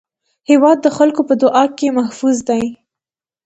هېواد د خلکو په دعا کې محفوظ دی.